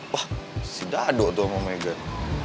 wah si dadu tuh sama megan